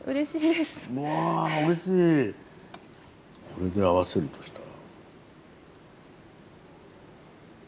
これに合わせるとしたら。